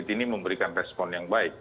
ini memberikan respon yang baik